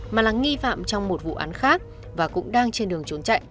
mà là nghi phạm trong một vụ án khác và cũng đang trên đường trốn chạy